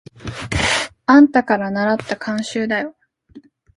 あんたからならった慣習だよ。